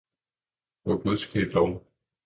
Oh Gud ske lov!